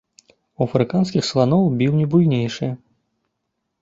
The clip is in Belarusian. У афрыканскіх сланоў біўні буйнейшыя.